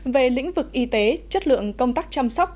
về lĩnh vực y tế chất lượng công tác chăm sóc